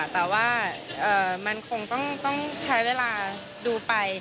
แต่ว่ามันคงต้องใช้เวลาดูไป